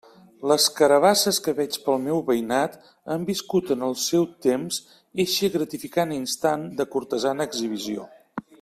Les carabasses que veig pel meu veïnat han viscut en el seu temps eixe gratificant instant de cortesana exhibició.